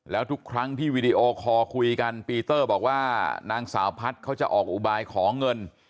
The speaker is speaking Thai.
แล้วทุกครั้งที่วีดีโอคอลคุยกันปีเตอร์บอกว่านางสาวพัฒน์เขาจะออกอุบายขอเงิน